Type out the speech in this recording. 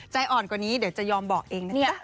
ใจอ่อนกว่านี้เดี๋ยวจะยอมบอกเองนะเนี่ย